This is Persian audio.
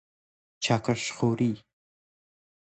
چکش خوری